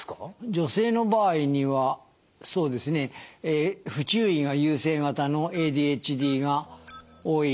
女性の場合にはそうですね不注意が優勢型のＡＤＨＤが多い。